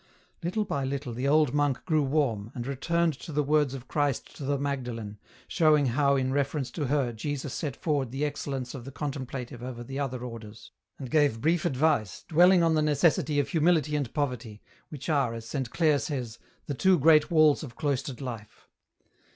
EN ROUTE. 107 Little by little the old monk grew warm, and returned to the words of Christ to the Magdalen, showing how in reference to her Jesus set forward the excellence _ of the contemplative over the other Orders, and gave brief advice, dwelling on the necessity of humility and poverty, which are, as Saint Clare says, the two great walls of cloistered life.